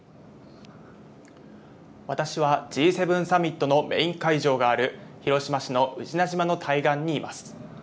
私はＧ７サミットのメイン会場がある広島市の宇品島の対岸にいます。